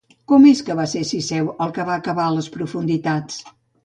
Com és que va ser Cisseu el que va acabar a les profunditats?